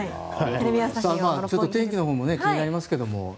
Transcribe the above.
天気のほうも気になりますが。